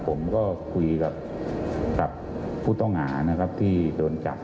ผมก็คุยกับผู้ต้องหาที่โดนจับ